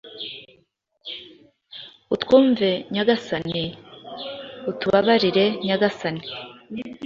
utwumve! Nyagasani, utubabarire! Nyagasani,